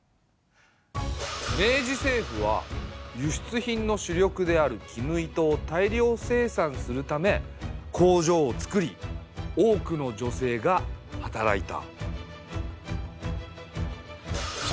明治政府は輸出品の主力である絹糸を大量生産するため工場をつくり多くの女性が働いた。